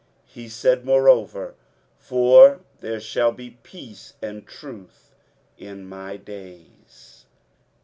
He said moreover, For there shall be peace and truth in my days.